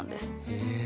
へえ。